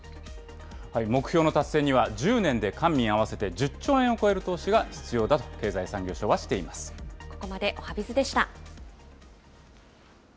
目標の達成には１０年で官民合わせて１０兆円を超える投資がここまでおはＢｉｚでした。